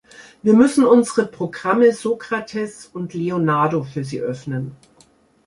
Wir müssen unsere Programme Sokrates und Leonardo für sie öffnen.